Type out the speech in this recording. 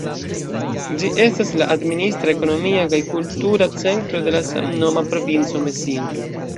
Ĝi estas la administra, ekonomia kaj kultura centro de la samnoma provinco Mesino.